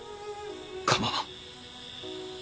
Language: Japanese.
構わん。